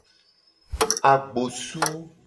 Agbosu.